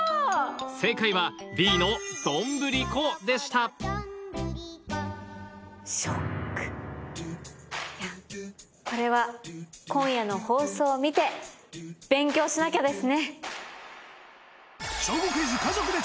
正解はＢの「どんぶりこ」でしたこれは今夜の放送を見て勉強しなきゃですね。